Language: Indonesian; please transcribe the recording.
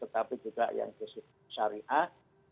tapi juga yang syariah